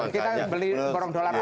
kita beli borong dolar apa